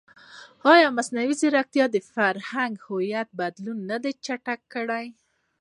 ایا مصنوعي ځیرکتیا د فرهنګي هویت بدلون نه چټکوي؟